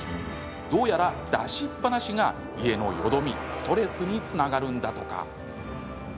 どうやら、出しっぱなしが家のよどみ、ストレスにつながるんだとか。